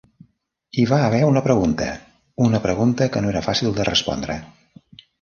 Hi va haver una pregunta, una pregunta que no era fàcil de respondre.